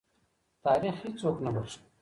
تاریخ هېڅوک نه بخښي.